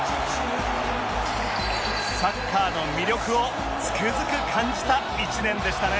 サッカーの魅力をつくづく感じた１年でしたね